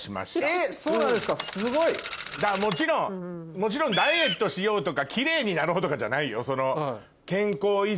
もちろんダイエットしようとかキレイになろうとかじゃないよ。